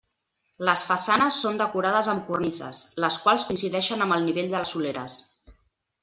Les façanes són decorades amb cornises, les quals coincideixen amb el nivell de les soleres.